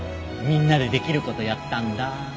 みんなでできる事やったんだ。